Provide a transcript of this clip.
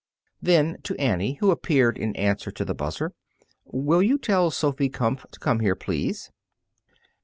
Then to Annie, who appeared in answer to the buzzer, "Will you tell Sophy Kumpf to come here, please?"